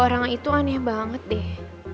orang itu aneh banget deh